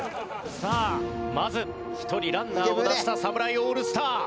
さあまず１人ランナーを出した侍オールスター！